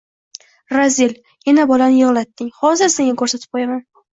Razil, yana bolani yig'latding, hozir senga ko'rsatib qo'yaman!